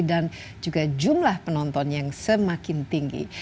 dan juga jumlah penonton yang semakin tinggi